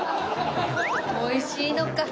おいしいのか。